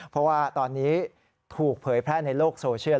เพราะว่าตอนนี้ถูกเผยแพร่ในโลกโซเชียล